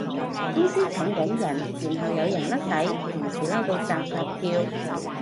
公司請緊人然後有人甩底，同事嬲到紮紮跳